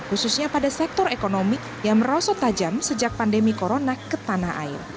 khususnya pada sektor ekonomi yang merosot tajam sejak pandemi corona ke tanah air